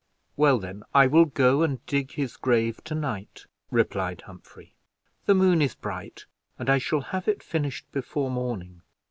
"Well then, I will go and dig his grave to night," replied Humphrey; "the moon is bright, and I shall have it finished before morning."